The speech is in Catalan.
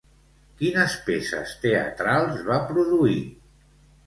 Quines peces teatrals va produir?